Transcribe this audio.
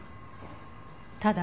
ただ。